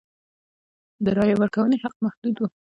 د رایې ورکونې حق محدود و.